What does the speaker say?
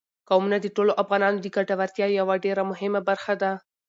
قومونه د ټولو افغانانو د ګټورتیا یوه ډېره مهمه برخه ده.